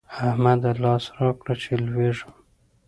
احمده! لاس راکړه چې لوېږم.